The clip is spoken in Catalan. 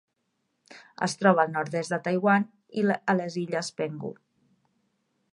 Es troba al nord-est de Taiwan i a les illes Penghu.